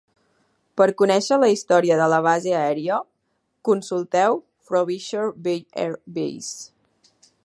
Per conèixer la història de la base aèria, consulteu Frobisher Bay Air Base.